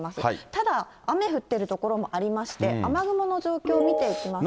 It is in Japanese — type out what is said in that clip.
ただ、雨降ってる所もありまして、雨雲の状況見ていきますと。